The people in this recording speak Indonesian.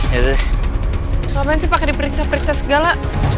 ngapain sih pakai diperiksa periksa segala